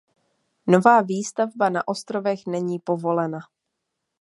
Nová výstavba na ostrovech není povolena.